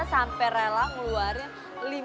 sampai rela ngeluarin lima m